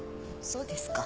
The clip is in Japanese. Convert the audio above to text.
そうですか。